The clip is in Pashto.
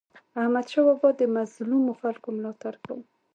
احمدشاه بابا به د مظلومو خلکو ملاتړ کاوه.